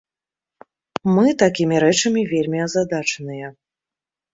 Мы такімі рэчамі вельмі азадачаныя.